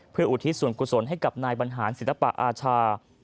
เพื่ออุทิศส่วนกุศลให้กับนายบรรหารศิลปะอาชา